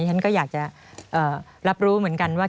ฉันก็อยากจะรับรู้เหมือนกันว่า